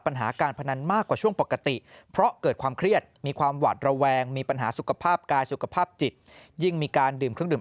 ปัญหาการพนันมากกว่าช่วงปกติเพราะเกิดความเครียดมีความหวาดระแวงมีปัญหาสุขภาพกายสุขภาพจิตยิ่งมีการดื่มเครื่องดื่ม